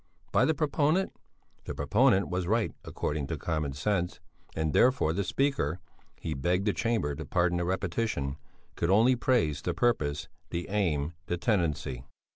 By the proponent? The proponent was right according to common sense, and therefore the speaker he begged the Chamber to pardon the repetition could only praise the purpose, the aim, the tendency.